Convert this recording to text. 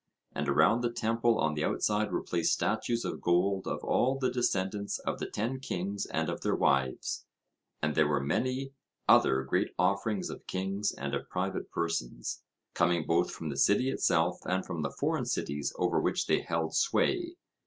And around the temple on the outside were placed statues of gold of all the descendants of the ten kings and of their wives, and there were many other great offerings of kings and of private persons, coming both from the city itself and from the foreign cities over which they held sway.